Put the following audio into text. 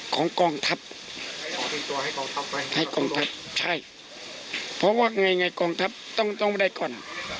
ของกองทัพไว้ให้กองทัพใช่เพราะว่าไงกองทัพต้องต้องได้ก่อน